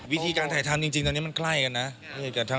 วิธีการถ่ายทำจริงตอนนี้มันใกล้กันนะ